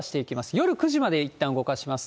夜９時までいったん動かします。